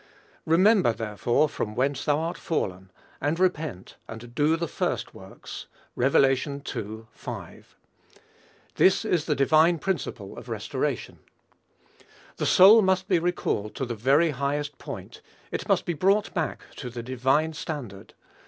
"Remember therefore from whence thou art fallen; and repent and do the first works." (Rev. ii. 5.) This is the divine principle of restoration. The soul must be recalled to the very highest point; it must be brought back to the divine standard.